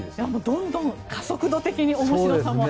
どんどん加速度的に面白さも。